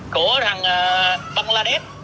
của thằng bangladesh